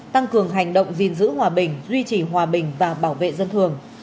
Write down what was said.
tăng cường hành động gìn giữ hòa bình duy trì hòa bình và bảo vệ dân thường